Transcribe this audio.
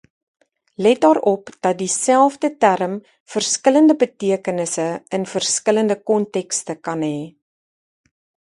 Let daarop dat dieselfde term verskillende betekenisse in verskillende kontekste kan hê.